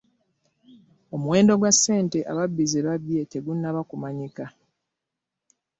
Omuwendo gwa ssente ababbi ze babbye tegunnaba kumanyika.